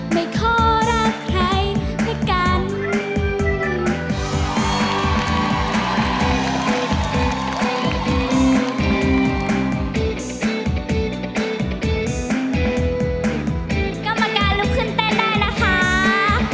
ไม่เข้าใจไม่ขอรักใครด้วยกัน